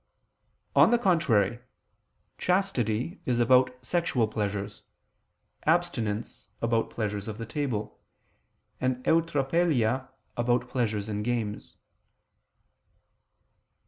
On the contrary, Chastity is about sexual pleasures, abstinence about pleasures of the table, and eutrapelia about pleasures in games.